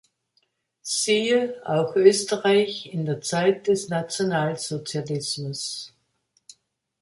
Siehe auch Österreich in der Zeit des Nationalsozialismus.